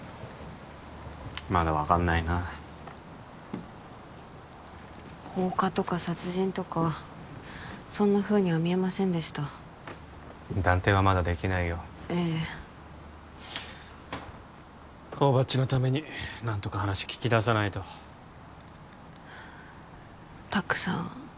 まだ分かんないな放火とか殺人とかそんなふうには見えませんでした断定はまだできないよええ大庭っちのために何とか話聞き出さないと拓さん